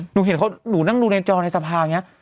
หนูเห็นหนูนั่งดูในจอในสภาอย่างนี้